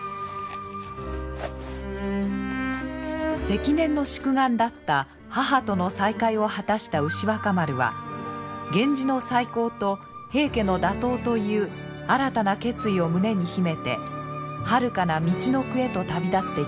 積年の宿願だった母との再会を果たした牛若丸は源氏の再興と平家の打倒という新たな決意を胸に秘めてはるかなみちのくへと旅立っていきました。